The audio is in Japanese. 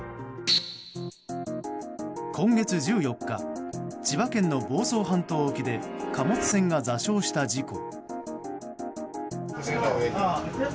今月１４日千葉県の房総半島沖で貨物船が座礁した事故。